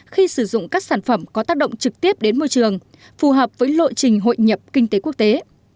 khi sử dụng các sản phẩm có tác động trực tiếp đến môi trường phù hợp với lộ trình hội nhập kinh tế quốc tế